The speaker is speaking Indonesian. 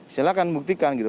silahkan buktikan gitu